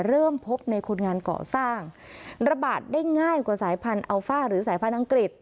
เริ่มพบในคนงานก่อสร้างระบาดได้ง่ายกว่าสายพันธุอัลฟ่าหรือสายพันธ์อังกฤษ